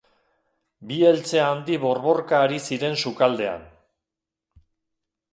Bi eltze handi borborka ari ziren sukaldean.